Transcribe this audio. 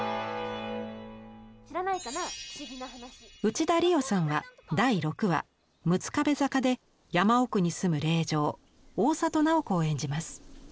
内田理央さんは第６話「六壁坂」で山奥に住む令嬢大郷楠宝子を演じます。